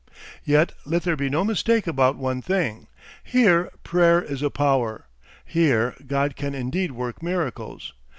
Yet let there be no mistake about one thing. Here prayer is a power. Here God can indeed work miracles.